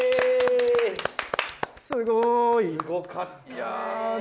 すごい！すごかったね。